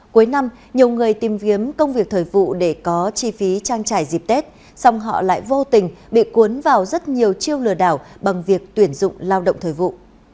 cuối năm nhiều người tìm kiếm công việc thời vụ để có chi phí trang trải dịp tết song họ lại vô tình bị cuốn vào rất nhiều chiêu lừa đảo bằng việc tuyển dụng lao động thời vụ